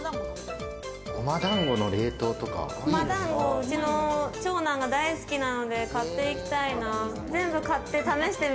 ごま団子は長男が大好きなので買っていきたいな。